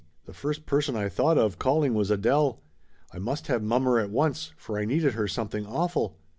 The first person I thought of calling was Adele. I must have mommer at once, for I needed her something awful.